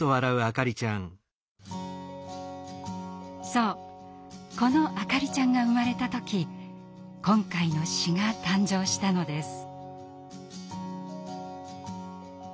そうこのあかりちゃんが生まれた時今回の詩が誕生したのです。